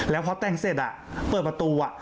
แล้วพอแต่งเสร็จเปิดประตู